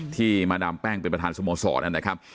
ที่มาดามแป้งเป็นประธานสโมสรนะครับ